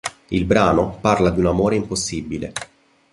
Il brano parla di un amore impossibile.